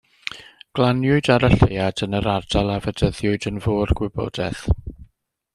Glaniwyd ar y lleuad yn yr ardal a fedyddiwyd yn Fôr Gwybodaeth.